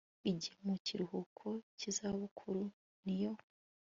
igiye mu kiruhuko cy izabukuru n iyo